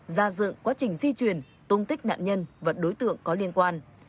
ra dựng quá trình di chuyển tung tích nạn nhân và đối tượng có liên quan